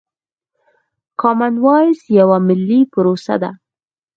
کامن وايس يوه ملي پروسه ده.